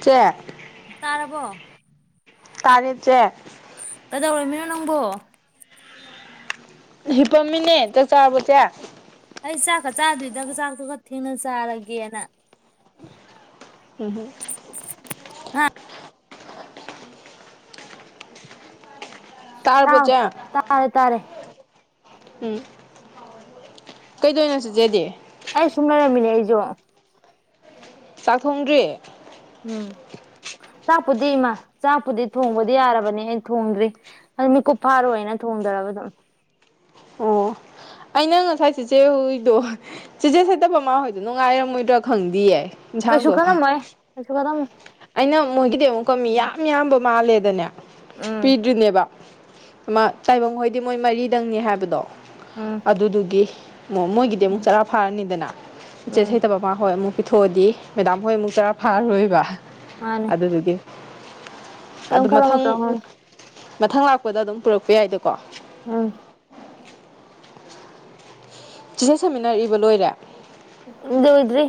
ꯆꯦ ꯇꯥꯔꯕꯣ ꯇꯥꯔꯦ ꯆꯦ ꯅꯪꯕꯨ ꯍꯤꯞꯄꯝꯃꯤꯅꯦ ꯆꯥꯛ ꯆꯥꯔꯕꯣ ꯆꯦ ꯑꯩ ꯆꯥꯛꯀ ꯆꯥꯗꯔꯤꯗ ꯆꯥꯛꯇꯣ ꯈꯔ ꯊꯦꯡꯅ ꯆꯥꯔꯒꯦꯅ ꯎꯝ ꯍꯝ ꯍꯥꯥ ꯇꯥ ꯇꯥꯔꯕꯣ ꯇꯥꯔꯦ ꯇꯥꯔꯦ ꯎꯝ ꯀꯩꯗꯧꯅꯣ ꯆꯤꯆꯦꯗꯤ ꯑꯩ ꯁꯨꯝꯂꯩꯔꯝꯃꯤꯅꯦ ꯑꯩꯖꯨ ꯆꯥꯛ ꯊꯣꯡꯗꯔꯤ ꯎꯝ ꯆꯥꯛꯄꯨꯗꯤ ꯃꯥ ꯆꯥꯛꯄꯨꯗꯤ ꯊꯣꯡꯕꯗꯤ ꯌꯥꯔꯕꯅꯤ ꯑꯩ ꯊꯣꯡꯗ꯭ꯔꯤ ꯑ ꯃꯤꯀꯨꯞ ꯐꯥꯔꯣꯏ ꯅ ꯊꯣꯡꯗꯔꯕ ꯑꯗꯨꯝ ꯑꯣ ꯑꯩꯅ ꯉꯁꯥꯏ ꯆꯦꯆꯦ ꯍꯨꯏꯗꯣ ꯆꯦꯆꯦ ꯁꯩꯇꯕꯃꯥꯍꯣꯏꯗꯣ ꯅꯨꯡꯉꯥꯏꯔꯝꯃꯣꯏꯗꯔꯥ ꯈꯪꯗꯤꯌꯦ ꯀꯩꯁꯨ ꯏꯟꯁꯥꯡꯗꯣ ꯈꯟꯂꯝꯃꯣꯏ ꯀꯩꯁꯨ ꯈꯟꯂꯝ ꯑꯩꯅ ꯃꯣꯏꯒꯤꯗꯤ ꯑꯃꯨꯛꯀ ꯃꯤ ꯌꯥꯝ ꯌꯥꯝꯕ ꯃꯥꯂꯦꯗꯅꯦ ꯎꯝ ꯄꯤꯗꯔꯤꯅꯦꯕ ꯑꯃ ꯇꯥꯏꯕꯪ ꯍꯣꯏꯗꯤ ꯃꯣꯏ ꯃꯔꯤꯗꯪꯅꯦ ꯍꯥꯏꯕꯗꯣ ꯎꯝ ꯑꯗꯨꯗꯨꯒꯤ ꯃꯣꯏꯒꯤꯗꯤ ꯑꯃꯨꯛ ꯎꯝ ꯆꯔꯥ ꯐꯥꯔꯅꯤꯗꯅ ꯆꯦ ꯎꯝ ꯁꯩꯇꯕꯃꯥ ꯍꯣꯏ ꯑꯃꯨꯛ ꯄꯤꯊꯣꯛꯑꯗꯤ ꯃꯦꯗꯥꯝ ꯍꯣꯏ ꯑꯃꯨꯛ ꯆꯥꯔꯥ ꯐꯥꯔꯔꯣꯏꯕ ꯃꯥꯅꯦ ꯑꯗꯨꯗꯨꯒꯤ ꯑꯗꯨ ꯃꯊꯪ [unintelligible] ꯃꯊꯪ ꯂꯥꯛꯄꯗ ꯑꯗꯨꯝ ꯄꯨꯔꯛꯄ ꯌꯥꯏꯗꯀꯣ ꯑꯝ ꯆꯤꯆꯦ ꯁꯥꯃꯤꯟꯅꯔ ꯏꯕ ꯂꯣꯏꯔꯦ ꯂꯣꯏꯗ꯭ꯔꯤ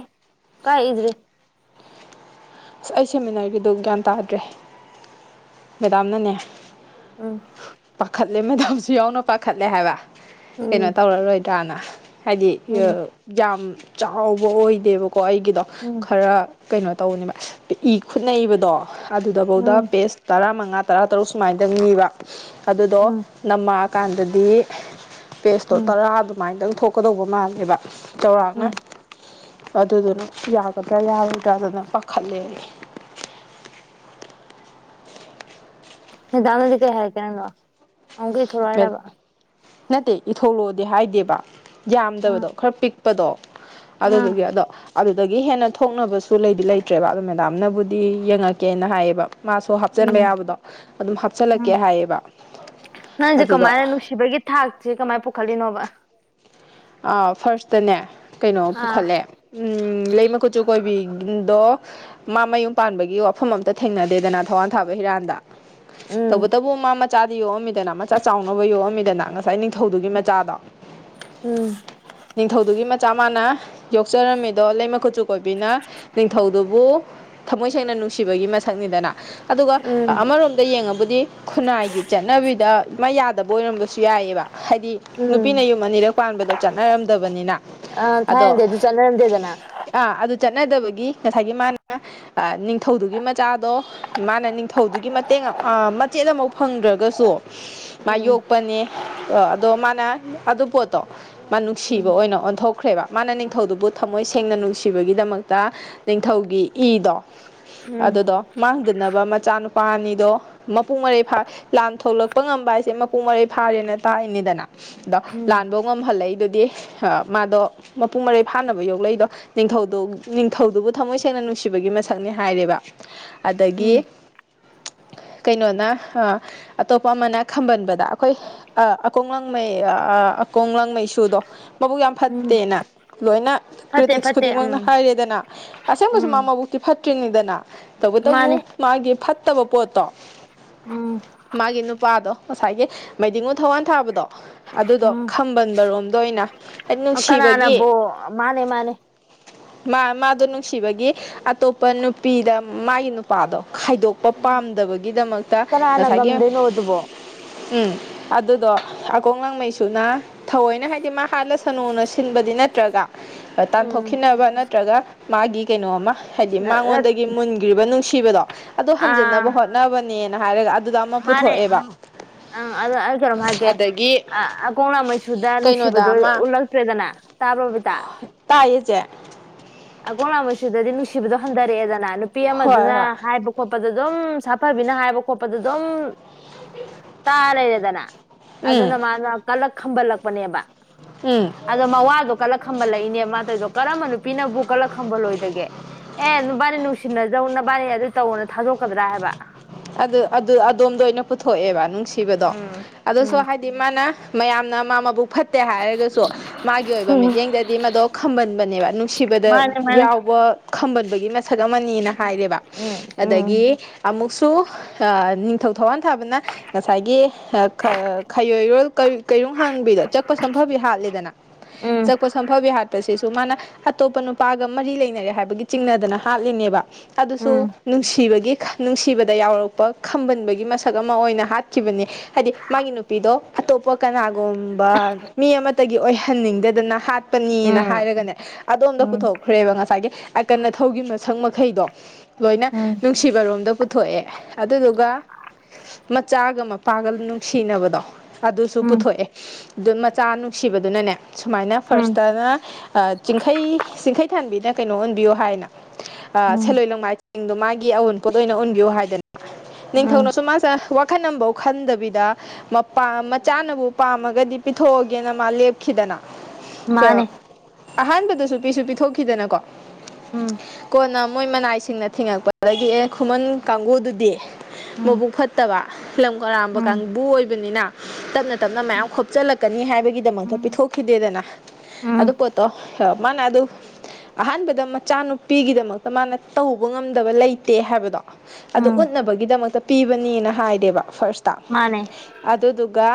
ꯀꯥꯏ ꯏꯗ꯭ꯔꯤ ꯑꯁ ꯑꯩ ꯁꯦꯃꯤꯟꯅꯔꯒꯤꯗꯣ ꯒ꯭ꯌꯥꯟ ꯇꯥꯗꯔꯦ ꯃꯦꯗꯥꯝꯅꯅꯦ ꯎꯝ ꯄꯥꯈꯠꯂꯦ ꯃꯦꯗꯥꯝꯖꯨ ꯌꯥꯎꯅ ꯄꯥꯈꯠꯂꯦ ꯍꯥꯏꯕ ꯀꯩꯅꯣ ꯎꯝ ꯇꯧꯔꯔꯣꯏꯗ꯭ꯔꯥꯅ ꯍꯥꯏꯗꯤ ꯎꯝ ꯌꯥꯝ ꯆꯥꯎꯕ ꯑꯣꯏꯗꯦꯕ ꯀꯣ ꯑꯩꯒꯤꯗꯣ ꯎꯝ ꯈꯔ ꯀꯩꯅꯣ ꯇꯧꯅꯦꯕ ꯏ ꯈꯨꯠꯅꯏꯕꯗꯣ ꯑꯗꯨꯗ ꯚꯧꯗ ꯎꯝ ꯄꯦꯁ ꯇꯔꯥ ꯃꯉꯥ ꯇꯔꯥ ꯇꯔꯨꯛ ꯁꯨꯃꯥꯏꯅꯗꯪ ꯅꯤꯕ ꯑꯗꯨꯗꯣ ꯎꯝ ꯅꯃꯥꯛ ꯀꯥꯟꯗꯗꯤ ꯄꯦꯁ ꯇꯧ ꯎꯝ ꯇꯧꯔꯥ ꯑꯗꯨꯃꯥꯏ ꯇꯧ ꯊꯣꯛꯀꯗꯧꯕ ꯃꯥꯜꯂꯦꯕ ꯆꯥꯎꯔꯥꯛꯅ ꯎꯝ ꯑꯗꯨꯗꯨꯅ ꯌꯥꯒꯗ꯭ꯔꯥ ꯌꯥꯔꯣꯏꯗ꯭ꯔꯥ ꯑꯗꯨꯅ ꯄ ꯈꯂꯦ ꯗꯥꯗ ꯅꯗꯤ ꯀꯩ ꯍꯥꯏꯔ ꯀꯦ ꯍꯥꯏꯕ ꯑꯝꯀ ꯊꯣꯛꯂꯛ ꯍꯥꯏꯔꯕ ꯅꯠꯇꯦ ꯏꯊꯣꯛꯂꯣꯗꯤ ꯍꯥꯏꯗꯦꯕ ꯎꯝ ꯌꯥꯝꯗꯕꯗꯣ ꯈꯔ ꯄꯤꯛ ꯄꯗꯣ ꯑꯗꯨꯗꯨꯒꯤ ꯎꯝ ꯑꯗꯣ ꯑꯗꯨꯗꯒꯤ ꯍꯦꯟꯅ ꯊꯣꯛꯅꯕꯁꯨ ꯂꯩꯗꯤ ꯂꯩꯇ꯭ꯔꯦꯕ ꯑꯗꯣ ꯃꯦꯗꯥꯝꯅꯕꯨꯗꯤ ꯌꯦꯡꯉꯛꯀꯦꯅ ꯍꯥꯏꯌꯦꯕ ꯃꯥꯁꯨ ꯍꯥꯞꯆꯤꯟꯕ ꯎꯝ ꯌꯥꯕꯗꯣ ꯑꯗꯨꯝ ꯍꯥꯞꯆꯤꯜꯂꯛꯀꯦ ꯎꯝ ꯍꯥꯏꯌꯦꯕ ꯅꯪꯁꯦ ꯑꯗꯨꯗ ꯀꯃꯥꯏꯅ ꯅꯨꯡꯁꯤꯕꯒꯤ ꯊꯥꯛ ꯁꯤ ꯀ ꯃꯥꯏ ꯄꯨ ꯈꯜꯂꯤꯅꯣꯕ ꯑ ꯐꯥꯔꯁꯇꯅꯦ ꯀꯩꯅꯣ ꯑꯥ ꯄꯨꯈꯠꯂꯦ ꯑꯝ ꯂꯩꯃꯀꯨꯠꯆꯨ ꯀꯣꯏꯕꯤ ꯏꯪꯗꯣ ꯃꯥ ꯃꯌꯨꯝ ꯄꯥꯟꯕꯒꯤ ꯋꯥꯐꯝ ꯑꯝꯇ ꯊꯦꯡꯅꯗꯦꯗꯅ ꯊꯧꯋꯥꯟ ꯊꯥꯕ ꯍꯤꯔꯥꯟꯗ ꯎꯝ ꯇꯧꯕꯨꯗꯕꯨ ꯃꯥꯅ ꯃꯆꯥꯗꯤ ꯌꯣꯛꯑꯝꯃꯤꯗꯅ ꯃꯆꯥ ꯆꯥꯎꯅꯕ ꯌꯣꯛꯑꯝꯃꯤꯗꯅ ꯉꯁꯥꯏ ꯅꯤꯡꯊꯧꯗꯨꯒꯤ ꯃꯆꯥꯗꯣ ꯎꯝ ꯅꯤꯡꯊꯧꯗꯨꯒꯤ ꯃꯆꯥ ꯃꯥꯅ ꯌꯣꯛꯆꯔꯝꯃꯤꯗꯣ ꯂꯩꯃ ꯀꯨꯠꯆꯨ ꯀꯣꯏꯕꯤꯅ ꯅꯤꯡꯊꯧꯗꯨꯕꯨ ꯊꯃꯣꯏ ꯁꯦꯡꯅ ꯅꯨꯡꯁꯤꯕꯒꯤ ꯃꯁꯛꯅꯤꯗꯅ ꯑꯗꯨꯒ ꯎꯝ ꯑꯃꯔꯣꯝꯗ ꯌꯦꯡꯉꯕꯨꯗꯤ ꯈꯨꯟꯅꯥꯏꯒꯤ ꯆꯠꯅꯕꯤꯗ ꯃ ꯇꯕꯣꯢ ꯑꯣꯏꯔꯝꯕꯁꯨ ꯌꯥꯏꯑꯕ ꯍꯥꯏꯗꯤ ꯅꯨꯄꯤꯅ ꯌꯨꯝ ꯑꯅꯤꯔꯛ ꯄꯥꯟꯕꯗ ꯑ ꯊꯥꯏꯗꯤ ꯑꯗꯨ ꯆꯠꯅꯔꯝꯗꯦꯗꯅ ꯑꯥ ꯑꯗꯨ ꯆꯉꯗꯕꯒꯤ ꯉꯁꯥꯏꯒꯤ ꯃꯥ ꯅꯤꯡꯊꯧꯗꯨꯒꯤ ꯃꯆꯥꯗꯣ ꯃꯥꯅ ꯅꯤꯡꯊꯧꯗꯨꯒꯤ ꯃꯇꯦꯡ ꯃꯆꯦꯠ ꯑꯃꯥꯎ ꯐꯪꯗ꯭ꯔꯒꯁꯨ ꯃꯥ ꯎꯝ ꯌꯣꯛꯄꯅꯦ ꯑ ꯑꯗꯣ ꯃꯥ ꯌꯥꯢ ꯑꯗꯨ ꯄꯣꯠꯇꯣ ꯃꯥ ꯎꯝ ꯅꯨꯡꯁꯤꯕ ꯑꯣꯏꯅ ꯑꯣꯟꯊꯣꯛꯈ꯭ꯔꯦꯕ ꯃꯥꯅ ꯅꯤꯡꯊꯧꯗꯨꯕꯨ ꯊꯃꯣꯏ ꯁꯦꯡꯅ ꯅꯨꯡꯁꯤꯕꯒꯤꯗꯃꯛꯇ ꯅꯤꯡꯊꯧꯒꯤ ꯏꯗꯣ ꯎꯝ ꯑꯗꯨꯗꯣ ꯃꯥꯡꯗꯅꯕ ꯃꯆꯥꯅꯨꯄꯥ ꯄꯥꯅꯤꯗꯣ ꯃꯄꯨꯡ ꯃꯔꯩ ꯐꯥ ꯂꯥꯟ ꯊꯣꯛꯂꯛꯄ ꯉꯝꯕ ꯍꯥꯏꯁꯦ ꯃꯄꯨꯡ ꯃꯔꯩ ꯐꯥꯔꯦꯅ ꯇꯥꯛꯏꯅꯤꯗꯅ ꯗꯣ ꯎꯝ ꯂꯥꯟꯗꯣ ꯉꯝ ꯍꯜꯂꯛꯏꯗꯨꯗꯤ ꯃꯥꯗꯣ ꯃꯄꯨꯡ ꯃꯔꯩ ꯐꯥꯅꯕ ꯌꯣꯛꯂꯛꯏꯗꯣ ꯅꯤꯡꯊꯧꯗꯣ ꯅꯤꯡꯊꯧꯗꯨꯕꯨ ꯊꯝꯃꯣꯏ ꯁꯦꯡꯅ ꯅꯨꯡꯁꯤꯕꯒꯤ ꯃꯁꯛꯅꯤ ꯍꯥꯏꯔꯦꯕ ꯎꯝ ꯑꯗꯒꯤ ꯀꯩꯅꯣꯅ ꯑꯇꯣꯞꯄ ꯑꯃꯅ ꯈꯝꯕꯟꯕꯗ ꯑꯩꯈꯣꯏ ꯑ ꯑꯀꯣꯡꯂꯥꯡꯃꯩ ꯑ ꯀꯣꯡꯂꯪ ꯃꯩꯁꯨꯗꯣ ꯃꯕꯨꯛ ꯌꯥꯝ ꯎꯝ ꯐꯠꯇꯦꯅ ꯂꯣꯏꯅ ꯐꯠꯇꯦ ꯀ꯭ꯔꯤꯇꯤꯛꯁ ꯐꯠꯇꯦ ꯎꯝ ꯈꯨꯗꯤꯡꯃꯛꯅ ꯍꯥꯏꯔꯦꯗꯅ ꯑꯁꯦꯡꯕꯁꯨ ꯎꯝ ꯃꯥ ꯃꯕꯨꯛꯇꯤ ꯐꯠ ꯀꯤꯡꯗꯅ ꯃꯥꯅꯦ ꯇꯧꯕꯇꯕꯨ ꯃꯥꯒꯤ ꯐꯠ ꯐꯠꯇꯕ ꯄꯣꯠꯇꯣ ꯎꯝ ꯃꯥꯒꯤ ꯅꯨꯄꯥꯗꯣ ꯉꯁꯥꯏꯒꯤ ꯃꯥꯏꯗꯤꯡꯉꯨ ꯊꯧꯋꯥꯟꯊꯥꯕꯗꯣ ꯑꯗꯨꯗꯣ ꯎꯝ ꯈꯝꯕꯟꯕꯔꯣꯝꯗ ꯑꯣꯏꯅ ꯍꯥꯏꯗꯤ ꯅꯨꯡꯁꯤꯕꯒꯤ ꯀꯅꯥꯅꯕꯨ ꯃꯥꯅꯦ ꯃꯥꯅꯦ ꯃꯥ ꯃꯥꯗꯣ ꯅꯨꯡꯁꯤꯕꯒꯤ ꯑꯇꯣꯞꯄ ꯅꯨꯄꯤꯗ ꯃꯥꯒꯤ ꯅꯨꯄꯥꯗꯣ ꯈꯥꯏꯗꯣꯛꯄ ꯄꯥꯝꯗꯕꯒꯤꯗꯃꯛꯇ ꯀꯅꯥꯅ ꯉꯁꯥꯏꯒꯤ ꯉꯝꯗꯣꯏꯅꯣ ꯑꯗꯨꯕꯣ ꯎꯝ ꯑꯗꯨꯗꯣ ꯑꯀꯣꯡꯂꯥꯡꯃꯩꯁꯨꯅ ꯊꯑꯣꯏꯅ ꯍꯥꯏꯗꯤ ꯃꯥ ꯍꯥꯠꯂꯁꯨꯅ ꯁꯤꯟꯕꯗꯤ ꯅꯠꯇ꯭ꯔꯒ ꯎꯝ ꯇꯥꯟꯊꯣꯛꯈꯤꯅꯕ ꯅꯠꯇ꯭ꯔꯒ ꯃꯥꯒꯤ ꯀꯩꯅꯣꯃ ꯍꯥꯏꯗꯤ ꯃꯉꯣꯟꯗꯒꯤ ꯃꯨꯟꯒ꯭ꯔꯤꯕ ꯅꯨꯡꯁꯤ ꯁꯤꯕꯗꯣ ꯑꯗꯨ ꯑꯥ ꯍꯟꯖꯤꯟꯅꯕ ꯍꯣꯠꯅꯕꯅꯦ ꯉꯍꯥꯛ ꯂꯩꯔꯒ ꯑ ꯃꯥꯅꯦ ꯑ ꯑꯗꯨ ꯑꯩ ꯀꯩꯅꯣꯝ ꯍꯥꯏꯒꯦ ꯑ ꯑꯗꯒꯤ ꯑꯀꯣꯡ ꯑꯀꯣꯡꯂꯥꯡꯃꯩꯁꯨꯗ ꯀꯩꯅꯣꯗ ꯅꯨꯡꯁꯤꯕꯗꯣ ꯑꯃ ꯎꯠꯂꯛꯇ꯭ꯔꯦꯗꯅ ꯇꯥꯔ꯭ꯕꯣ ꯕꯥꯕꯤꯇꯥ ꯇꯥꯏꯌꯦ ꯆꯦ ꯁꯤꯕꯗꯣ ꯍꯟꯗꯔꯛꯑꯦꯗꯅ ꯅꯨꯄꯤ ꯍꯣꯏ ꯍꯣꯏ ꯑꯃꯗꯨꯅ ꯍꯥꯏꯕ ꯈꯣꯠꯞ ꯑꯗꯣ ꯑꯗꯨꯝ ꯁꯥꯐꯕꯤꯅ ꯍꯥꯏꯕ ꯈꯣꯠꯄꯗ ꯑꯗꯨꯝ ꯇꯥ ꯂꯩꯔꯦꯗꯅ ꯎꯝ ꯑꯗꯨꯅ ꯃꯥꯅ ꯀꯜꯂꯛꯈꯝꯕꯜꯂꯛ ꯄꯨꯅꯦꯕ ꯎꯝ ꯑꯗꯣ ꯃꯋꯥꯗꯣ ꯀꯜꯂꯛ ꯈꯝꯕꯜꯂꯛꯏꯅꯦ ꯃꯥ ꯇꯧꯏꯗꯣ ꯀꯔꯝꯕ ꯅꯨꯄꯤꯅꯕ ꯀꯂꯛ ꯈꯝꯕ ꯂꯣꯏꯒꯦ ꯑꯦ ꯅꯨꯕꯥꯅꯤ ꯅꯨꯡꯁꯤꯅꯖꯧꯅꯕ ꯃꯥꯅꯤ ꯑꯗꯨ ꯇꯧꯅ ꯊꯥꯗꯣꯛꯀꯗ꯭ꯔꯥ ꯍꯥꯏꯕ ꯑꯗꯨ ꯑꯗꯨ ꯑꯗꯣꯝꯗ ꯑꯣꯏꯅ ꯄꯨꯊꯣꯛꯑꯦꯕ ꯅꯨꯡꯁꯤꯕꯗꯣ ꯎꯝ ꯑꯗꯨꯁꯨ ꯎꯝ ꯍꯥꯏꯗꯤ ꯃꯥꯅ ꯃꯌꯥꯝꯅ ꯃꯥ ꯃꯕꯨꯛ ꯐꯠꯇꯦ ꯍꯥꯏꯔꯒꯁꯨ ꯃꯥꯒꯤ ꯑꯣꯏꯕ ꯃꯤꯠꯌꯦꯡꯗꯗꯤ ꯃꯗꯣ ꯈꯝꯕꯟꯕꯅꯦꯕ ꯅꯨꯡꯁꯤꯕꯗ ꯃꯥꯅꯦ ꯃꯥꯅꯦ ꯌꯥꯎꯕ ꯈꯝꯕꯟ [unintelligible] ꯁꯛꯑꯝꯃꯅꯤꯅ ꯍꯥꯏꯔꯦꯕ ꯎꯝ ꯎꯝ ꯑꯗꯒꯤ ꯑꯃꯨꯛꯁꯨ ꯅꯤꯡꯊꯧ ꯊꯋꯥꯟ ꯊꯥꯕꯅ ꯉꯁꯥꯏꯒꯤ ꯈꯥ ꯈꯥ ꯈꯥꯌꯣꯏꯔꯣꯜ ꯀꯩꯔꯨꯝ ꯍꯥꯡꯕꯤꯗꯣ ꯆꯠꯄ ꯁꯝꯐꯕꯤ ꯍꯥꯠꯂꯦꯗꯅ ꯎꯝ ꯆꯠꯄ ꯁꯝꯐꯕꯤ ꯍꯥꯠꯄꯁꯤꯁꯨ ꯨ ꯃꯥꯅ ꯑꯇꯣꯞꯄ ꯅꯨꯄꯥꯒ ꯃꯔꯤ ꯂꯩꯅꯔꯦ ꯍꯥꯏꯕꯒꯤ ꯆꯤꯡꯅꯗꯅ ꯍꯥꯠꯂꯤꯅꯦꯕ ꯑꯗꯨꯁꯨ ꯎꯝ ꯅꯨꯡꯁꯤꯕꯒꯤ ꯅꯨꯡꯁꯤꯕꯠ ꯗ ꯌꯥꯎꯔꯛꯄ ꯈꯝꯕꯟꯕꯒꯤ ꯃꯁꯛ ꯑꯃ ꯑꯣꯏꯅ ꯍꯥꯠꯈꯤꯕꯅꯦ ꯍꯥꯏꯗꯤ ꯃꯥꯒꯤ ꯅꯨꯄꯤꯗꯣ ꯑꯇꯣꯞꯄ ꯀꯅꯥꯒꯨꯝꯕ ꯃꯤ ꯑꯃꯠꯇꯒꯤ ꯑꯣꯏꯍꯟꯅꯤꯡꯗꯦꯗꯅ ꯍꯥꯠꯄꯅꯤꯅ ꯎꯝ ꯍꯥꯏꯔꯒꯅꯦ ꯑꯗꯣꯝꯗ ꯎꯝ ꯄꯨꯊꯣꯛꯈ꯭ꯔꯦꯕ ꯉꯁꯥꯏꯒꯤ ꯑꯀꯟ ꯑ ꯊꯧꯒꯤ ꯃꯁꯛ ꯃ ꯃꯈꯩꯗꯣ ꯂꯣꯏꯅ ꯎꯝ ꯅꯨꯡꯁꯤꯕꯔꯣꯝꯗ ꯎꯟ ꯄꯨꯠ ꯊꯣꯛꯑꯦ ꯑꯗꯨꯗꯨꯒ ꯃꯆꯥꯒ ꯃꯄꯥꯒ ꯅꯨꯡꯁꯤꯅꯕꯗꯣ ꯑꯗꯨꯁꯨ ꯎꯝ ꯄꯨꯊꯣꯛꯑꯦ ꯑꯗꯨ ꯃꯆꯥ ꯅꯨꯡꯁꯤꯕꯗꯨꯅꯅꯦ ꯁꯨꯃꯥꯏꯅ ꯎꯝ ꯐꯥꯔꯁꯇꯅ ꯆꯤꯡꯈꯩ ꯆꯤꯡꯈꯩ ꯊꯥꯟꯕꯤꯗ ꯀꯩꯅꯣ ꯑꯣꯟꯕꯤꯌꯣ ꯍꯥꯏꯅ ꯑꯥ ꯎꯝ ꯁꯦꯂꯣꯏ ꯂꯣꯡ ꯃꯥꯏ ꯁꯤꯡꯗꯣ ꯃꯥꯒꯤ ꯑꯎꯟꯣꯠ ꯑꯣꯏꯅ ꯎꯟ ꯌꯣ ꯍꯥꯏꯗꯅ ꯎꯝ ꯅꯤꯡꯊꯧꯅꯁꯨ ꯃꯥꯁꯦ ꯋꯥꯛ ꯑꯈꯟꯅꯐꯧ ꯈꯟꯗꯕꯤꯗ ꯃꯄꯥ ꯃꯆꯥꯅꯕꯨ ꯄꯥꯝꯃꯒꯗꯤ ꯄꯤꯊꯣꯛꯑꯒꯦꯅ ꯃꯥ ꯂꯦꯞꯈꯤꯗꯅ ꯃꯥꯅꯦ ꯑꯍꯥꯟꯕꯗꯁꯨ ꯄꯤꯁꯨ ꯄꯤꯊꯣꯛꯈꯤꯗꯅꯀꯣ ꯎꯝ ꯅ ꯃꯣꯏ ꯃꯅꯥꯏꯁꯤꯡꯅ ꯊꯦꯡꯉꯛꯄꯗꯒꯤ ꯑꯦ ꯈꯨꯃꯟ ꯀꯥꯡꯕꯨꯗꯨꯗꯤ ꯎꯝ ꯃꯕꯨꯛ ꯐꯠꯇꯕ ꯂꯝ ꯀꯔꯥꯝꯕ ꯎꯝ ꯀꯥꯡꯕꯨ ꯑꯣꯏꯕꯅꯤꯅ ꯇꯅ ꯇꯞꯅ ꯃꯌꯥꯝ ꯈꯣꯞꯆꯜꯂꯛꯀꯅꯤ ꯍꯥꯏꯕꯒꯤꯗꯃꯛꯇ ꯄꯤꯊꯣꯛꯈꯤꯗꯦꯗꯅ ꯑꯗꯨ ꯎꯝ ꯎꯝ ꯄꯣꯠꯇꯣ ꯍ ꯃꯥꯅ ꯑꯗꯨ ꯑꯍꯥꯟꯕꯗ ꯃꯆꯥꯅꯨꯄꯤꯒꯤꯗꯃꯛꯇ ꯃꯥꯅ ꯇꯧꯕ ꯉꯝꯗꯕ ꯂꯩꯇꯦ ꯍꯥꯏꯕꯗꯣ ꯑꯗꯨ ꯎꯠꯅꯕꯒꯤꯗꯃꯛꯇ ꯄꯤꯕꯅꯦꯅ ꯍꯥꯏꯔꯦꯕ ꯐꯥꯔꯁꯇ ꯃꯥꯅꯦ ꯑꯗꯨꯗꯨꯒ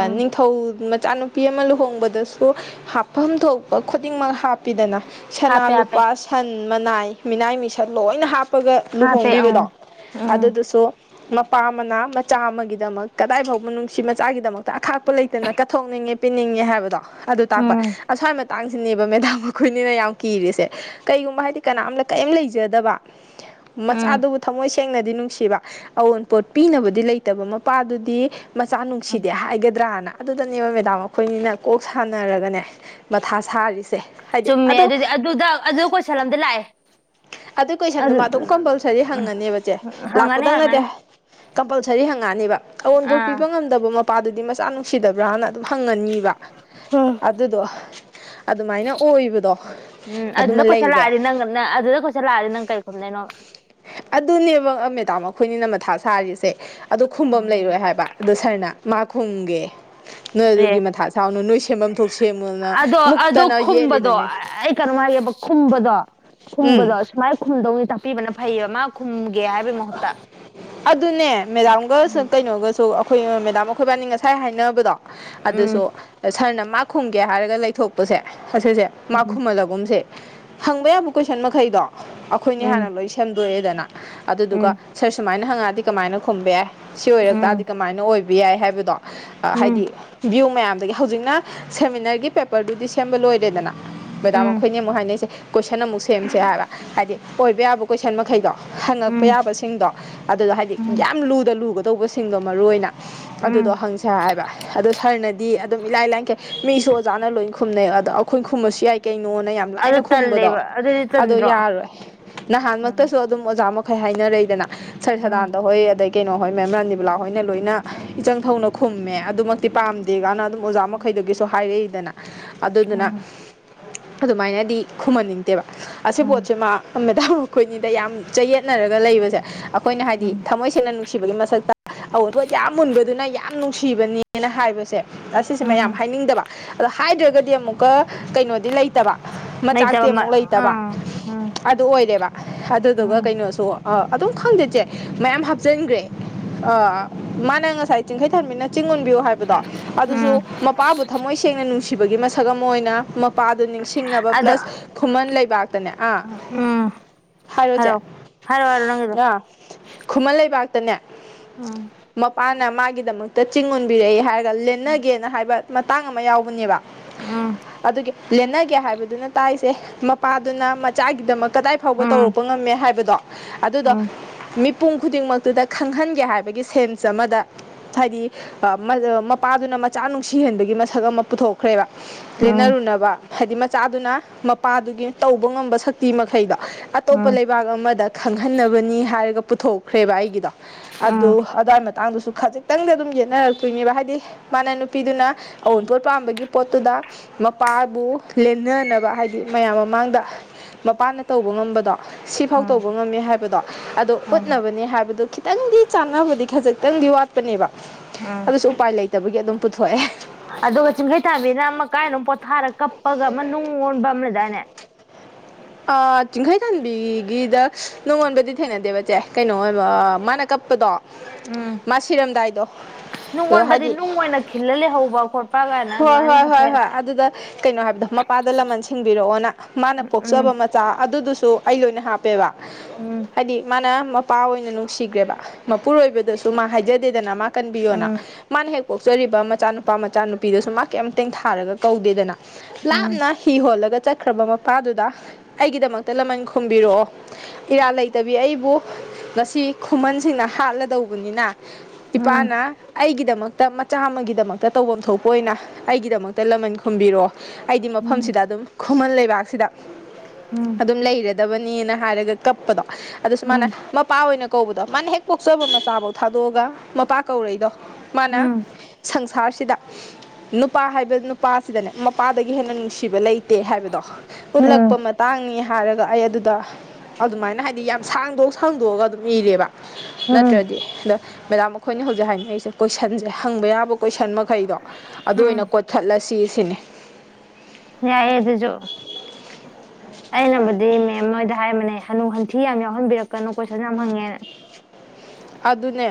ꯎꯝ ꯅꯤꯡꯊꯧ ꯏꯆꯥꯅꯨꯄꯤ ꯑꯃ ꯂꯨꯍꯣꯡꯕꯗꯁꯨ ꯍꯥꯞꯐꯝ ꯊꯣꯛꯄ ꯈꯨꯗꯤꯡꯃꯛ ꯍꯥꯞꯄꯤꯗꯅ ꯁꯅꯥ ꯍꯥꯞꯄꯦ ꯍꯥꯞꯄꯦ ꯂꯨꯄꯥ ꯁꯟ ꯃꯅꯥꯏ ꯃꯤꯅꯥꯏ ꯃꯤꯁꯟ ꯂꯣꯏꯅ ꯍꯥꯞꯄ ꯍꯥꯞꯄꯦ ꯂꯨꯍꯣꯡꯕꯤꯕꯗꯣ ꯑꯪ ꯎꯝ ꯑꯗꯨꯗꯁꯨ ꯃꯄꯥ ꯑꯃꯅ ꯃꯆꯥ ꯑꯃꯒꯤꯗꯃꯛ ꯀꯗꯥꯏ ꯐꯥꯎꯕ ꯅꯨꯡꯁꯤ ꯃꯆꯥꯒꯤꯗꯃꯛꯇ ꯑꯈꯥꯛꯄ ꯂꯩꯇꯅ ꯀꯠꯊꯣꯛꯅꯤꯡꯉꯦ ꯄꯤꯅꯤꯡꯉꯦ ꯍꯥꯏꯕꯗꯣ ꯑꯗꯨ ꯇꯥꯛꯄ ꯎꯝ ꯑꯁ꯭ꯋꯥꯏ ꯃꯇꯥꯡꯁꯤꯅꯦꯕ ꯃꯦꯗꯥꯝ ꯑꯈꯣꯏꯅꯤꯅ ꯌꯥꯝ ꯀꯤꯔꯤꯁꯦ ꯀꯩꯒꯨꯝꯕ ꯍꯥꯏꯗꯤ ꯀꯅꯥꯝꯇ ꯀꯔꯤꯝ ꯂꯩꯖꯗꯕ ꯎꯝ ꯃꯆꯥꯗꯨꯕꯨ ꯊꯝꯃꯣꯏ ꯁꯦꯡ ꯁꯦꯡꯅꯗꯤ ꯅꯨꯡꯁꯤꯕ ꯑꯑꯣꯟꯄꯣꯠ ꯄꯤꯅꯕꯗꯤ ꯂꯩꯇꯕ ꯃꯄꯥꯗꯨꯗꯤ ꯃꯆꯥ ꯅꯨꯡꯁꯤꯗꯦ ꯍꯥꯏꯒꯗ꯭ꯔꯥꯅ ꯑꯗꯨꯗꯅꯦꯕ ꯃꯦꯗꯥꯝ ꯑꯩꯈꯣꯏꯅꯤꯅ ꯀꯣꯛ ꯁꯥꯟꯅꯔꯒꯅꯦ ꯃꯊꯥ ꯁꯥꯔꯤꯁꯦ ꯍꯥꯏꯗꯤ ꯆꯨꯝꯃꯦ ꯑꯗꯣ ꯑꯗꯨꯗꯤ ꯑꯗꯨꯗ ꯑꯗꯨ ꯀꯣꯏꯁꯜ ꯝꯗꯤ ꯂꯥꯛꯑꯦ ꯑꯗꯨꯏ ꯀꯣꯏꯁꯟꯗꯨ ꯑꯗꯨ ꯃꯗꯨꯝ ꯀꯝꯄꯜꯁꯔꯤ ꯍꯪꯉꯅꯦꯕ ꯆꯦ ꯍꯪꯉꯅꯤ ꯂꯥꯛꯄꯗꯪ ꯅꯠꯇꯦ ꯍꯪꯉꯅꯤ ꯀꯝꯄꯜꯁꯔꯤ ꯍꯪꯉꯛꯑꯅꯤꯕ ꯑꯎꯟꯕꯠ ꯑꯥ ꯄꯤꯕ ꯉꯝꯗꯕ ꯃꯄꯥꯗꯨꯗꯤ ꯃꯆꯥ ꯑꯝ ꯅꯨꯡꯁꯤꯗꯕ꯭ꯔꯥꯅ ꯍꯪꯉꯅꯤꯕ ꯑꯗꯨꯗꯣ ꯑꯗꯨꯃꯥꯏꯅ ꯑꯣꯏꯕꯗꯣ ꯑꯗꯨꯃ ꯂꯩꯔꯦ ꯁꯜ ꯂꯥꯗꯤ ꯅꯪ ꯀꯩ ꯈꯨꯝꯗꯣꯏꯅꯣ ꯑꯗꯨꯅꯦꯕ ꯃꯦꯗꯥꯝ ꯑꯈꯣꯏꯅꯤꯅ ꯃꯊꯥ ꯁꯥꯔꯤꯁꯦ ꯑꯗꯣ ꯈꯨꯝꯕꯝ ꯎꯝ. ꯂꯩꯔꯣꯏ ꯍꯥꯏꯕ ꯑꯗꯣ ꯁꯔꯅ ꯃꯥꯈꯨꯝꯒꯦ ꯅꯣꯏ ꯑꯦ ꯑꯗꯨꯒꯤ ꯃꯊꯥ ꯁꯥꯎꯅꯨ ꯅꯣꯏ ꯁꯦꯝꯕꯝ ꯊꯣꯛꯄ ꯁꯦꯝꯃꯨꯅ ꯑꯗꯣ ꯑꯗꯣ ꯃꯨꯛꯇꯅ ꯈꯨꯝꯕꯗꯣ ꯌꯦꯠꯂꯤꯗꯨꯅꯦ ꯑꯩ ꯀꯩꯅꯣꯝ ꯍꯥꯏꯒꯦꯕ ꯈꯨꯝꯕꯗꯣ ꯎꯝ ꯈꯨꯝꯕꯗꯣ ꯁꯨꯃꯥꯏꯅ ꯈꯨꯝꯗꯧꯅꯤ ꯇꯥꯛꯄꯤꯕꯅ ꯐꯩꯌꯦꯕ ꯃꯥ ꯈꯨꯝ ꯑꯗꯨꯅꯦ ꯃꯦꯗꯥꯥꯝꯒ ꯀꯩꯅꯣꯒꯁꯨ ꯑꯈꯣꯏ ꯃꯦꯗꯥꯝ ꯑꯈꯣꯏꯕꯥꯅꯤ ꯉꯁꯥꯏ ꯍꯥꯏꯅꯕꯗꯣ ꯎꯝ ꯑꯗꯨꯁꯨ ꯁꯔꯅ ꯃꯥ ꯈꯨꯝꯒꯦ ꯍꯥꯏꯔꯒ ꯂꯩꯊꯣꯛꯄꯁꯦ ꯑꯁꯤꯁꯦ ꯎꯝ ꯃꯥꯈꯨꯝꯃꯜꯂꯒꯨꯝꯁꯦ ꯍꯪꯕ ꯌꯥꯕ ꯀꯣꯏꯁꯟ ꯃꯈꯩꯗꯣ ꯑꯈꯣꯏꯅꯤ ꯍꯥꯟꯅ ꯎꯝ ꯂꯣꯏ ꯁꯦꯝ ꯂꯣꯏꯔꯦꯗꯅ ꯑꯗꯨꯗꯨꯒ ꯎꯝ ꯁꯔ ꯁꯨꯃꯥꯏꯅ ꯍꯪꯉ ꯗꯤ ꯀꯃꯥꯏꯅ ꯈꯨꯝꯕ ꯌꯥꯏ ꯁꯤ ꯑꯣꯏꯔꯛ ꯎꯝ ꯇꯥꯔꯗꯤ ꯀꯃꯥꯏꯅ ꯑꯣꯏꯕ ꯌꯥꯏ ꯍꯥꯏꯕꯗꯣ ꯎꯝ ꯍꯥꯏꯗꯤ ꯚꯤ꯭ꯌꯨ ꯃꯌꯥꯝꯗꯒꯤ ꯍꯧꯖꯤꯛꯅ ꯁꯦꯃꯤꯅꯔꯒꯤ ꯄꯦꯄꯔꯗꯨꯗꯤ ꯁꯦꯝꯕ ꯂꯣꯏꯔꯦꯗꯅ ꯃꯦꯗꯥꯝ ꯎꯝ ꯑꯩꯈꯣꯏꯅꯦ ꯑꯃꯨꯛ ꯍꯥꯏꯅꯩꯁꯦ ꯀꯣꯏꯁꯟ ꯑꯃꯨꯛ ꯁꯦꯝꯁꯦ ꯍꯥꯏꯕ ꯍꯥꯏꯗꯤ ꯑꯣꯏꯕ ꯌꯥꯕ ꯀꯣꯏꯁꯟ ꯃꯈꯩꯗꯣ ꯄ ꯎꯝ ꯌꯥꯕꯁꯤꯡꯗꯣ ꯑꯗꯨꯗ ꯍꯥꯏꯗꯤ ꯎꯝ ꯌꯥꯝ ꯂꯨꯗ ꯂꯨꯒ ꯇꯧꯕꯁꯤꯡꯗꯣ ꯃꯔꯨꯑꯣꯢꯅ ꯎꯝ ꯑꯗꯨꯗꯣ ꯍꯪꯁꯦ ꯍꯥꯏꯕ ꯑꯗꯣ ꯁꯔꯅꯗꯤ ꯑꯗꯨꯝ ꯏꯂꯥꯏ ꯂꯥꯏ ꯀꯩ ꯃꯤꯁꯨ ꯑꯣꯖꯥꯅ ꯂꯣꯏ ꯈꯨꯝꯅꯩ ꯑꯗꯣ ꯑꯩꯈꯣꯏ ꯈꯨꯝꯃꯁꯨ ꯌꯥꯏ ꯀꯩ ꯅꯣꯅ ꯌꯥꯝ ꯑꯗꯨ ꯂꯥꯏꯅ ꯈꯨꯝꯕꯗꯣ ꯇꯜꯂꯦꯕ ꯑꯗꯨꯗꯤ ꯑꯗꯣ ꯇꯟꯗ꯭ꯔꯣ ꯌꯥꯔꯣꯏ ꯎꯝ ꯅꯍꯥꯟꯃꯛꯇꯁꯨ ꯑꯗꯨꯝ ꯑꯣꯖꯥ ꯐꯩ ꯍꯥꯏꯅꯔꯩꯗꯅ ꯁꯔ ꯎꯝ ꯁꯗꯥꯥꯟꯗ ꯍꯣꯢ ꯑꯗꯩ ꯀꯩꯅꯣ ꯍꯣꯏ ꯃꯦꯝ ꯔꯥꯥꯅꯤꯕꯥꯂꯥ ꯍꯣꯏꯅ ꯂꯣꯏꯅ ꯏꯆꯪ ꯊꯧꯅ ꯈꯨꯝꯃꯦ ꯑꯗꯨꯃꯛꯇꯤ ꯄꯥꯝꯗꯦ ꯀꯥꯏꯅ ꯑꯗꯨꯝ ꯑꯣꯖꯥ ꯃꯈꯩꯗꯒꯤꯁꯨ ꯍꯥꯏꯔꯛꯏ ꯑꯗꯨꯗꯨꯅ ꯎꯝ ꯑꯗꯨꯃꯥꯏꯅꯗꯤ ꯈꯨꯝꯍꯟꯅꯤꯡꯗꯦꯕ ꯑꯁꯤ ꯎꯝ ꯄꯣꯠꯁꯤꯃ ꯃꯦꯗꯥꯝ ꯑꯩꯈꯣꯏꯅꯤꯗ ꯌꯥꯝ ꯆꯌꯦꯠ ꯅꯔꯒ ꯂꯩꯕꯁꯦ ꯑꯩꯈꯣꯏꯅ ꯍꯥꯏꯗꯤ ꯎꯝ ꯊꯝꯃꯣꯏ ꯁꯦꯡꯅ ꯅꯨꯡꯁꯤꯕꯒꯤ ꯃꯁꯛꯇ ꯑꯎꯟꯄꯣꯠ ꯌꯥꯝ ꯎꯟꯕꯗꯨꯅ ꯌꯥꯝ ꯅꯨꯡꯁꯤꯕꯅꯦꯅ ꯍꯥꯏꯕꯁꯦ ꯑꯁꯤꯁꯦ ꯃꯌꯥꯝ ꯎꯝ ꯍꯥꯏꯅꯤꯡꯗꯕ ꯑ ꯍꯥꯏꯗ꯭ꯔꯒꯗꯤ ꯑꯃꯨꯛꯀ ꯀꯩꯅꯣꯗꯤ ꯂꯩꯇꯕ ꯃꯆꯥꯛꯇꯤ ꯂꯩꯇꯕ ꯃ ꯑꯃꯨꯛ ꯂꯩꯇꯕ ꯎꯝ ꯎꯝ ꯑꯗꯨ ꯑꯣꯏꯔꯦꯕ ꯑꯗꯨꯗꯨꯒ ꯎꯝ ꯁꯨ ꯑ ꯑꯗꯨꯝ ꯈꯪꯗꯦ ꯆꯦ ꯃꯌꯥꯝ ꯍꯥꯞꯆꯟꯈ꯭ꯔꯦ ꯑ ꯃꯥꯅ ꯉꯁꯥꯢ ꯆꯤꯡꯈꯩꯊꯟꯕꯤꯅ ꯆꯤꯡ ꯎꯟꯕꯤꯌꯨ ꯍꯥꯏꯕꯗꯣ ꯎꯝ ꯑꯗꯨꯁꯨ ꯃꯄꯥꯕꯨ ꯊꯝꯃꯣꯏ ꯁꯦꯡꯅ ꯅꯨꯡꯁꯤ ꯊꯤꯕꯒꯤ ꯃꯁꯛ ꯑꯃ ꯑꯣꯏꯅ ꯄꯥꯗꯨ ꯅꯤꯡꯁꯤꯡꯅꯕ ꯑꯗꯣ ꯄ꯭ꯂꯁ ꯈꯨꯃꯟ ꯂꯩꯕꯥꯛꯇꯅꯦ ꯑꯥ ꯎꯝ ꯍꯥꯏꯔꯣ ꯆꯦ ꯍꯥꯏꯔꯛꯑꯣ ꯍꯥꯏꯔꯣ ꯍꯥꯏꯔꯣ ꯅꯪꯒꯤꯗꯣ ꯉ ꯈꯨꯃꯟ ꯂꯩꯕꯥꯛꯇꯅꯦ ꯎꯝ ꯃꯄꯨ ꯃꯥꯅ ꯃꯥꯒꯤꯗꯃꯛꯇ ꯆꯤꯡ ꯑꯟꯕꯤꯔꯛꯏ ꯍꯥꯏꯔ ꯗ ꯂꯦꯟꯅꯒꯦꯅ ꯍꯥꯏꯕ ꯃꯇꯥꯡ ꯑꯃ ꯌꯥꯎꯕꯅꯦꯕ ꯎꯝ ꯑꯗꯨꯒꯤ ꯂꯦꯟꯅꯒꯦ ꯍꯥꯏꯕꯗꯨꯅ ꯇꯥꯛꯏ ꯁꯦ ꯃꯄꯥꯗꯨꯅ ꯃꯆꯥꯒꯤꯗꯃꯛ ꯀꯗꯥꯏ ꯐꯥꯎꯕ ꯎꯝ ꯇꯧꯔꯛꯄ ꯉꯝꯃꯦ ꯍꯥꯏꯕ ꯕꯗꯣ ꯑꯗꯨꯗꯣ ꯎꯝ ꯃꯤ ꯃꯤꯄꯨꯝ ꯈꯨꯗꯤꯡꯃꯛꯇꯨꯗ ꯈꯪꯍꯟꯒꯦ ꯍꯥꯏꯕꯒꯤ ꯁꯦꯟꯁ ꯑꯃꯗ ꯍꯥꯏꯗꯤ ꯑ ꯃꯄꯥꯗꯨꯅ ꯃꯆꯥ ꯅꯨꯡꯁꯤꯍꯟꯕꯒꯤ ꯃꯁꯛ ꯑꯃ ꯄꯨꯊꯣꯛꯈ꯭ꯔꯦꯕ ꯎꯝ ꯂꯦꯟꯅꯔꯨꯅꯕ ꯍꯥꯏꯗꯤ ꯃꯆꯥꯗꯨꯅ ꯃꯄꯥꯗꯨꯒꯤ ꯇꯧꯕ ꯉꯝꯕ ꯁꯛꯇꯤ ꯃꯈꯩꯗꯣ ꯑꯇꯣꯞꯄ ꯎꯝ ꯂꯩꯕꯥꯛ ꯑꯃ ꯗ ꯈꯪꯍꯟꯅꯕꯅꯤ ꯍꯥꯏꯔꯒ ꯄꯨꯊꯣꯛꯈ꯭ꯔꯦꯕ ꯑꯩꯒꯤꯗꯣ ꯑꯗꯣ ꯎꯝ ꯑꯗꯥꯏ ꯃꯠ ꯃꯇꯥꯡꯗꯨꯁꯨ ꯈꯖꯤꯛꯇꯪꯗ ꯑꯗꯨꯝ ꯌꯦꯠꯅꯔꯛꯇꯣꯏꯅꯦꯕ ꯍꯥꯏꯗꯤ ꯃꯥꯅ ꯅꯨꯄꯤꯗꯨꯅ ꯑꯎꯄꯣꯠ ꯄꯥꯝꯕꯒꯤ ꯄꯣꯠꯇꯨꯗ ꯃꯄꯥꯕꯨ ꯂꯦꯟꯅꯅꯕ ꯍꯥꯏꯗꯤ ꯃꯌꯥꯝ ꯃꯃꯥꯡꯗ ꯃꯄꯥꯅ ꯇꯧꯕ ꯉꯝꯕꯗꯣ ꯁꯤ ꯎꯝ ꯇꯧꯕ ꯉꯝꯃꯦ ꯍꯥꯏꯕꯗꯣ ꯑꯗꯣ ꯎꯝ ꯎꯠꯅꯕꯅꯦ ꯍꯥꯏꯕꯗꯣ ꯈꯤꯠ ꯈꯤꯇꯪꯗꯤ ꯆꯥꯟꯅꯕꯗꯤ ꯈꯖꯤꯛꯇꯪꯗꯤ ꯋꯥꯠꯄꯅꯦꯕ ꯎꯝ ꯑꯗꯨꯁꯨ ꯎꯄꯥꯏ ꯂꯩ ꯂꯩꯇꯕꯒꯤ ꯑꯗꯨꯝ ꯄꯨꯊꯣꯛꯑꯦ ꯑꯗꯨꯒ ꯆꯤꯡꯈꯩꯊꯥꯟꯕꯤꯅ ꯑꯃ ꯀꯥꯏꯗꯅꯣ ꯄꯣꯊꯥꯔꯒ ꯀꯞ ꯄꯒ ꯅꯨꯡ ꯑꯣꯟꯕ ꯑꯃꯥ ꯂꯩꯗꯥꯏꯅꯦ ꯑꯥ ꯆꯤꯡꯈꯩꯊꯥꯟꯕꯤꯒꯤꯗ ꯅꯨꯡꯒꯣꯟꯕꯤꯗꯤ ꯊꯦꯡꯅꯗꯦꯕ ꯆꯦ ꯀꯩꯅꯣ ꯑꯣꯏꯕ ꯑ ꯃꯥꯅ ꯀꯞꯄꯗꯣ ꯎꯝ ꯃꯥ ꯁꯤꯔꯝꯗꯥꯏꯗꯣ ꯅꯨꯡ ꯑꯣꯟꯕꯗꯤ ꯍꯥꯏꯗꯤ ꯅꯨꯡ ꯑꯣꯏꯅ ꯈꯤꯜꯂ ꯂꯩꯍꯧꯕ ꯈꯣꯠ ꯍꯣꯏ ꯍꯣꯏ ꯍꯣꯏ ꯍꯣꯏ ꯑꯗꯨꯗ ꯀꯩꯅꯣ ꯍꯥꯏꯕꯗꯣ ꯃꯄꯥꯗ ꯂꯃꯟ ꯁꯤꯡꯕꯤꯔꯛꯑꯣꯅ ꯃꯥꯅ ꯎꯝ ꯄꯣꯛꯆꯕ ꯃꯆꯥ ꯑꯗꯨꯗꯨꯁꯨ ꯑꯗꯨ ꯑꯩꯒꯤ ꯑꯣꯏꯅ ꯍꯥꯞꯄꯦꯕ ꯎꯝ ꯍꯥꯏꯗꯤ ꯃꯥꯅ ꯃ ꯃꯄꯥ ꯑꯣꯏꯅ ꯅꯨꯡꯁꯤꯈ꯭ꯔꯦꯕ ꯃꯄꯨꯔꯣꯏꯕꯗꯁꯨ ꯃꯥ ꯍꯥꯏꯖꯗꯦꯗꯅ ꯃꯥ ꯀꯟꯕꯤꯌꯣꯅ ꯎꯝ ꯃꯥꯅꯦ ꯍꯦꯛ ꯄꯣꯛꯆꯔꯤꯕ ꯃꯆꯥꯅꯨꯄꯥ ꯃꯆꯥꯅꯨꯞ ꯅꯨꯄꯤꯗꯁꯨ ꯃꯥ ꯀꯩꯝ ꯇꯦꯡꯊꯥꯔꯒ ꯀꯧꯗꯦꯗꯅ ꯎꯝ ꯂꯥꯞꯅ ꯍꯤ ꯍꯣꯜꯂꯒ ꯆꯠꯈ꯭ꯔꯕ ꯃꯄꯥꯗꯨꯗ ꯑꯩꯒꯤꯗꯃꯛꯇ ꯂꯃꯟ ꯈꯣꯕꯤꯔꯛꯑꯣ ꯏꯔꯥꯜ ꯂꯩꯇꯕꯤ ꯑꯩꯕꯨ ꯉꯁꯤ ꯈꯨꯃꯟꯁꯤꯡꯅ ꯍꯥꯠꯂꯗꯧꯕꯅꯤꯅ ꯏꯄꯥꯅ ꯎꯝ ꯑꯩꯒꯤ ꯗꯃꯛꯇ ꯃꯆꯥ ꯑꯃꯒꯤꯗꯃꯛꯇ ꯇꯧꯕꯝ ꯊꯣꯛ ꯑꯣꯏꯅ ꯑꯩꯒꯤꯗꯃꯛꯇ ꯂꯃꯟ ꯈꯨꯝꯕꯤꯔꯑꯣ ꯑꯩꯗꯤ ꯎꯝ ꯃꯐꯝꯁꯤꯗ ꯑꯗꯨꯝ ꯈꯨꯃꯟ ꯂꯩꯕꯥꯛꯁꯤꯗ ꯎꯝ ꯑꯗꯨꯝ ꯂꯩꯔ ꯗꯕꯅꯦꯅ ꯍꯥꯏꯔꯒ ꯀꯞꯄꯗꯣ ꯑꯗꯨꯁꯨꯨ ꯎꯝ ꯃꯥꯅ ꯃꯄꯥ ꯑꯣꯏꯅ ꯀꯧꯕꯗꯣ ꯃꯥꯅ ꯍꯦꯛ ꯄꯣꯛꯆꯕ ꯃꯆꯥꯕꯣꯛ ꯊꯥꯗꯣꯛꯑꯒ ꯃꯄꯥ ꯀꯧꯔꯛꯏꯗꯣ ꯃꯥꯅ ꯎꯝ ꯁꯪꯁ ꯁꯥꯔꯁꯤꯗ ꯅꯨꯄꯥ ꯍꯥꯏꯕ ꯅꯨꯄꯥꯁꯤꯗꯅꯦ ꯃꯄꯥꯗꯒꯤ ꯍꯦꯟꯅ ꯅꯨꯡꯁꯤꯕ ꯂꯩ ꯇꯦ ꯍꯥꯏꯕꯗꯣ ꯎꯝ ꯎꯠꯂꯛꯄ ꯃꯇꯥꯡꯅꯤ ꯍꯥꯏꯔꯒ ꯑꯩ ꯑꯗꯨ ꯗ ꯑꯗꯨꯃꯥꯏꯅ ꯍꯥꯏꯗꯤ ꯌꯥꯝ ꯁꯥꯡꯗꯣꯛ ꯁꯥꯡꯗꯣꯛꯑꯒ ꯑꯗꯨꯝ ꯏꯔꯦꯕ ꯎꯝ ꯅꯠꯇ꯭ꯔꯗꯤ ꯅ ꯃꯦꯗꯥꯝ ꯑꯈꯣꯏꯅꯤ ꯍꯧꯖꯤꯛ ꯍꯥꯏꯅꯩꯁꯦ ꯀꯣꯏꯁꯟꯖꯦ ꯍꯪꯕ ꯌꯥꯕ ꯀꯣꯏꯁꯟ ꯀꯩꯅꯣ ꯑꯗꯨ ꯑꯣꯏꯅ ꯎꯝ ꯀꯣꯊꯠꯂꯁꯤ ꯁꯤꯅꯦ ꯌꯥꯌꯦ ꯑꯗꯨꯖꯣ ꯑꯩꯅꯕꯨꯗꯤ ꯃꯦꯝ ꯍꯣꯏꯗ ꯍꯥꯏꯕꯅꯦ ꯍꯅꯨ ꯍꯟꯊꯤ ꯌꯥꯝ ꯌꯥꯎꯍꯟꯕꯤꯔꯛꯀꯅꯨ ꯀꯣꯏꯁꯟ ꯌꯥꯝ ꯍꯪꯉꯦꯅ ꯑꯗꯨꯅꯦ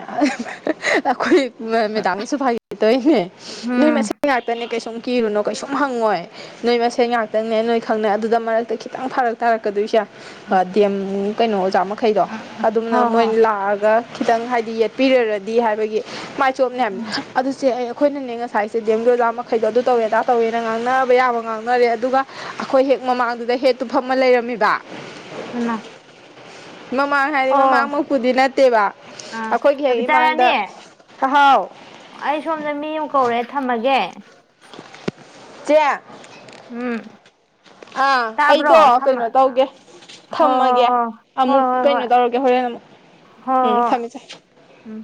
ꯑꯈꯣꯏ ꯃꯦꯗꯥꯝꯅꯁꯨ ꯐꯥꯒꯤ ꯇꯣꯏꯅꯦ ꯅꯣꯏ ꯎꯝ ꯃꯁꯦꯟ ꯉꯥꯛꯇꯅꯦ ꯀꯩꯁꯨꯝ ꯀꯤꯔꯨꯅꯨ ꯀꯩꯁꯨꯝ ꯍꯪꯉꯣꯏ ꯅꯣꯏ ꯃꯁꯦꯟ ꯉꯥꯛꯇꯪꯅꯦ ꯅꯣꯏ ꯈꯪꯅꯩ ꯑꯗꯨꯗ ꯃꯔꯛꯇ ꯈꯤꯇꯪ ꯐꯥꯔꯛ ꯇꯥꯔꯛꯀꯗꯣꯏꯁꯦ ꯑ ꯗꯦꯝ ꯀꯩꯅꯣ ꯆꯥꯃꯈꯩꯗꯣ ꯎꯝ ꯑꯗꯨꯝꯅ ꯍꯣꯏ ꯍꯣꯏ ꯃꯣꯏꯅ ꯂꯥꯛꯑꯒ ꯈꯤꯇꯪ ꯍꯥꯏꯗꯤ ꯌꯦꯠꯄꯤꯔꯔꯗꯤ ꯍꯥꯏꯕꯒꯤ ꯆꯣꯞꯅꯤ ꯍꯥꯏꯝ ꯎꯝ ꯑꯗꯨꯆꯦ ꯑꯩ ꯑꯈꯣꯏꯅꯅꯦ ꯉꯁꯥꯏꯁꯦ ꯗꯦꯝꯒꯤ ꯑꯣꯖꯥ ꯃꯈꯩꯗꯣ ꯑꯗꯨ ꯇꯧꯋꯦ ꯑꯗꯥ ꯇꯧꯋꯦꯅ ꯉꯥꯡꯅꯅꯕ ꯌꯥꯕ ꯉꯥꯡꯅꯔꯦ ꯑꯗꯨꯒ ꯑꯈꯣꯏ ꯍꯦꯛ ꯃꯃꯥꯡꯗꯨꯗ ꯍꯦꯗꯇꯨ ꯐꯝꯃ ꯂꯩꯔꯝꯃꯤꯕ ꯍꯩꯃꯥ ꯃꯃꯥꯡ ꯍꯥꯏꯗꯤ ꯃꯃꯥꯡꯃꯛꯄꯨꯗꯤ ꯅꯠꯇꯦꯕ ꯑꯥ ꯑꯩꯈꯣꯏꯒꯤ ꯍꯦꯛ ꯀꯕꯤꯇꯥ ꯏꯃꯥꯡꯗ ꯔꯥꯅꯤ ꯍꯥꯍꯥꯎ ꯑꯩ ꯁꯣꯝꯗ ꯃꯤ ꯑꯃ ꯀꯧꯔꯦ ꯊꯝꯃꯒꯦ [unintelligible] ꯆꯦ ꯎꯝ ꯑꯥ ꯇꯥꯕ꯭ꯔꯣ ꯑꯩꯗꯣ ꯊꯝꯃ ꯀꯩꯅꯣ ꯇꯧꯒꯦ ꯊꯝꯃꯒꯦ ꯍꯣꯏ ꯍꯣꯏ ꯑꯃꯨꯛ ꯍꯣꯏ ꯍꯣꯏ ꯍꯣꯏ ꯍꯣꯏ ꯍꯣꯏ ꯀꯩꯅꯣ ꯍꯣꯏ ꯇꯧꯔꯒꯦ ꯍꯣꯔꯦꯟ ꯑꯃꯨꯛ ꯎꯝ ꯍꯣꯏ ꯊꯝꯃꯦ ꯆꯦ ꯎꯝ